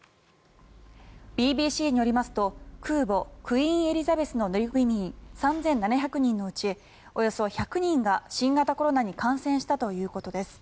ＢＢＣによりますと空母「クイーン・エリザベス」の乗組員３７００人のうちおよそ１００人が新型コロナに感染したということです。